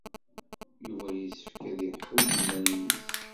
Yuba yessefk ad iḥudd iman-nnes.